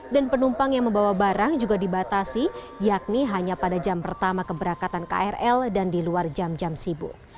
dan penumpang yang membawa barang juga dibatasi yakni hanya pada jam pertama keberakatan krl dan di luar jam jam sibuk